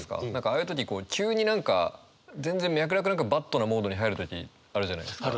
ああいう時急に何か全然脈絡なくバッドなモードに入る時あるじゃないですか。